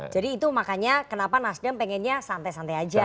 jadi itu makanya kenapa nasdem pengennya santai santai saja